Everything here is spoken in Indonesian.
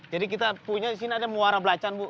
jadi kita punya di sini ada muara blacan bu